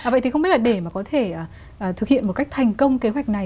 vậy thì không biết là để mà có thể thực hiện một cách thành công kế hoạch này